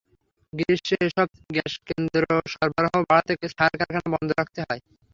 গ্রীষ্মে এসব কেন্দ্রে গ্যাস সরবরাহ বাড়াতে সার কারখানা বন্ধ রাখতে হয়।